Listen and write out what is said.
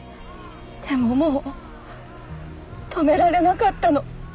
でももう止められなかったの。